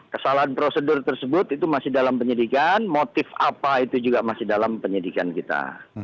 kesalahan prosedur tersebut itu masih dalam penyidikan motif apa itu juga masih dalam penyidikan kita